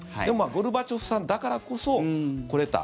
ゴルバチョフさんだからこそ来れた。